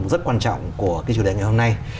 rất quan trọng của chủ đề ngày hôm nay